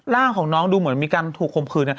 ร่างของน้องดูเหมือนมีการถูกคมคืน